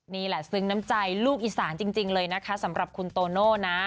ซึ้งน้ำใจลูกอีสานจริงเลยนะคะสำหรับคุณโตโน่นะ